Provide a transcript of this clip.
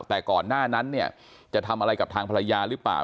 แต่ก่อนหน้านั้นเนี่ยจะทำอะไรกับทางภรรยาหรือเปล่า